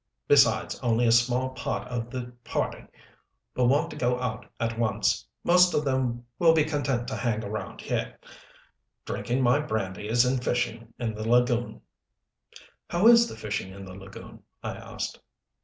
Besides, only a small part of the party will want to go out at once. Most of them will be content to hang around here, drinking my brandies and fishing in the lagoon." "How is fishing in the lagoon?" I asked.